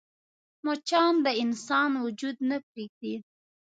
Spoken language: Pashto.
مچان د انسان وجود نه پرېږدي